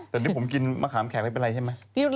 แต่นี่ผมกินมะขามแขกไม่เป็นไรใช่ไหม